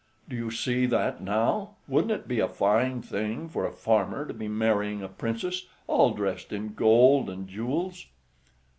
"Do you see that, now! Wouldn't it be a fine thing for a farmer to be marrying a Princess, all dressed in gold and jewels?"